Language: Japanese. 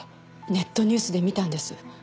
ネットニュースで見たんです。